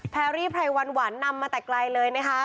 แพรรี่ไพรวันหวานนำมาแต่ไกลเลยนะคะ